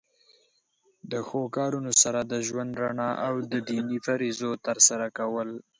د ښو کارونو سره د ژوند رڼا او د دینی فریضو تر سره کول.